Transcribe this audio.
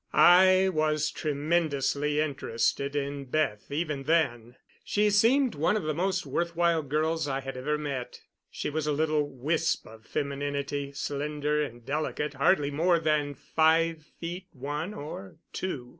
I was tremendously interested in Beth even then. She seemed one of the most worth while girls I had ever met. She was a little wisp of femininity, slender and delicate, hardly more than five feet one or two.